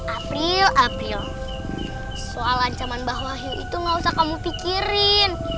april april soal ancaman bahwa wahyu itu gak usah kamu pikirin